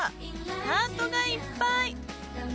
ハートがいっぱい！